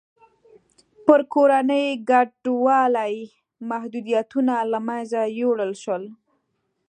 پر کورنۍ کډوالۍ محدودیتونه له منځه یووړل شول.